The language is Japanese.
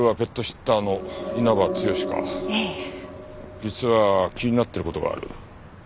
実は気になってる事がある。